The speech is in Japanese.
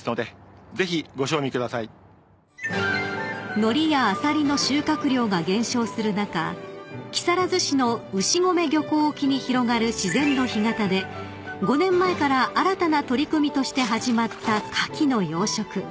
［ノリやアサリの収穫量が減少する中木更津市の牛込漁港沖に広がる自然の干潟で５年前から新たな取り組みとして始まったカキの養殖］